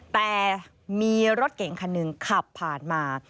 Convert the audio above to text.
แต่มีรถเก่งคันหนึ่งขับผ่านมา